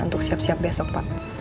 untuk siap siap besok pak